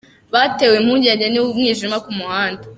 Batewe impungenge n’umwijima ku muhanda